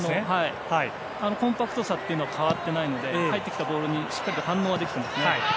コンパクトさは変わっていないので入ってきたボールに反応できていますね。